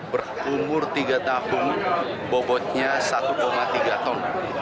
berumur tiga tahun bobotnya satu tiga ton